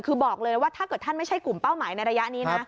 คือบอกเลยว่าถ้าเกิดท่านไม่ใช่กลุ่มเป้าหมายในระยะนี้นะ